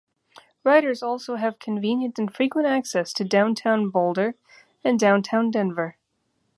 Riders also have convenient and frequent access to downtown Boulder and downtown Denver.